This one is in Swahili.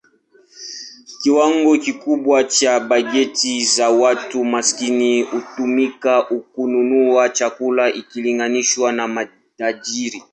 Kiwango kikubwa cha bajeti za watu maskini hutumika kununua chakula ikilinganishwa na matajiri.